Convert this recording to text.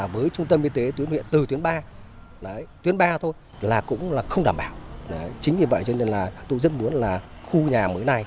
với trung tâm y tế tuyến huyện từ tuyến ba tuyến ba thôi là cũng không đảm bảo chính vì vậy tôi rất muốn là khu nhà mới này